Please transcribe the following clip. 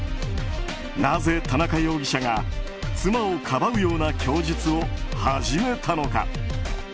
なぜ田中容疑者が妻をかばうような供述を始めたのか。